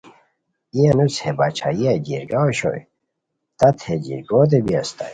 ای انوس ہے باچھائیہ جرگہ اوشوئے، تت ہے جرگوت بی اسیتائے